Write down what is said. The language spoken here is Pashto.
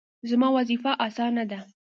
زما وظیفه اسانه ده